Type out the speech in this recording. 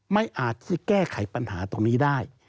ไม่อาจจะแก้ไขปัญหาตรงนี้ได้